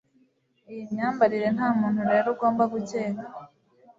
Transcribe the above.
iyi myambarire ntamuntu rero ugomba gukeka